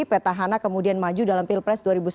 petahana kemudian maju dalam pilpres dua ribu sembilan belas